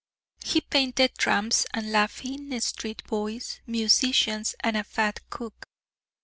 He painted tramps and laughing street boys, musicians, and a fat cook.